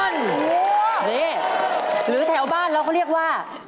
นี่หรือแถวบ้านเราก็เรียกว่า